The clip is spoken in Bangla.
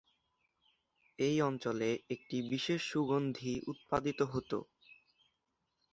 এই অঞ্চলে একটি বিশেষ সুগন্ধি উৎপাদিত হত।